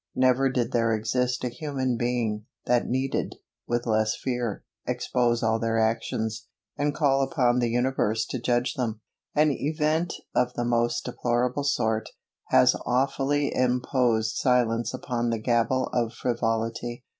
Never did there exist a human being, that needed, with less fear, expose all their actions, and call upon the universe to judge them. An event of the most deplorable sort, has awfully imposed silence upon the gabble of frivolity.